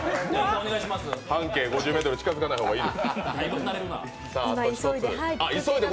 半径５０ｍ近づかない方がいいです。